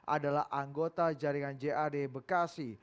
adalah anggota jaringan jad bekasi